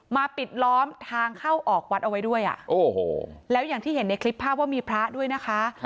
ปิดล้อมทางเข้าออกวัดเอาไว้ด้วยอ่ะโอ้โหแล้วอย่างที่เห็นในคลิปภาพว่ามีพระด้วยนะคะ